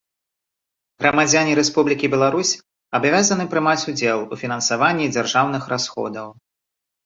Грамадзяне Рэспублікі Беларусь абавязаны прымаць удзел у фінансаванні дзяржаўных расходаў.